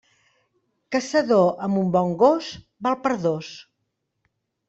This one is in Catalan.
Caçador amb un bon gos, val per dos.